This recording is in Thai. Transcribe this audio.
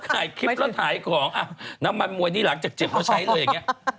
ขายกริ๊ปแล้วขายของน้ำมันมวยดีหลักจักเจ็บต้องใช้เลยอย่างนี้